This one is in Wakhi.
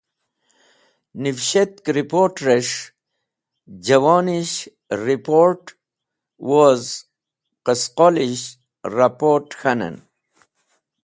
Nivishetk riport̃rẽs̃h jẽwonish riport̃ woz qẽsqolisht rapot̃ k̃hanẽn.